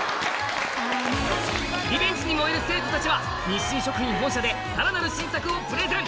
リベンジに燃える生徒たちは日清食品本社でさらなる新作をプレゼン